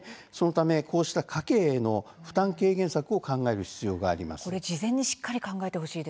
こうした家計への負担軽減策を考える必要があります。